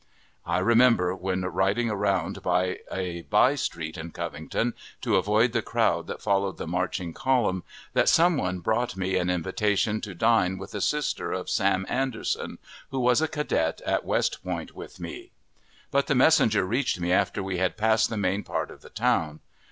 I remember, when riding around by a by street in Covington, to avoid the crowd that followed the marching column, that some one brought me an invitation to dine with a sister of Sam. Anderson, who was a cadet at West Point with me; but the messenger reached me after we had passed the main part of the town.